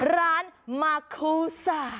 ร้านมาคูสา